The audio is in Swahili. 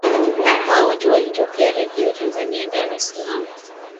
Hawa wote walitokea Radio Tanzania Dar Es salaam